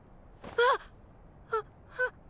あああっ。